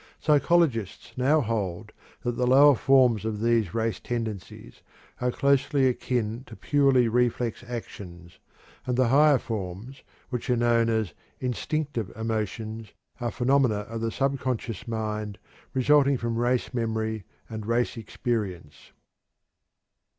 Psychologists now hold that the lower forms of these race tendencies are closely akin to purely reflex actions, and the higher forms, which are known as "instinctive emotions," are phenomena of the subconscious mind resulting from race memory and race experience.